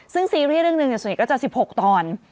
ซึ่งซีรีส์เรื่องหนึ่งส่วนใหญ่ก็จะ๑๖ตอน